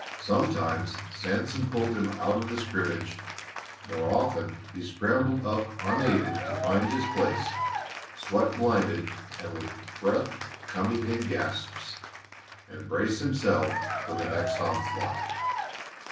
Sometimes Sanson pulled him out of the scrimmage, more often he scrambled up unaided to find his place, sweat blinded and with breath coming in gasps, and brace himself for the next onset.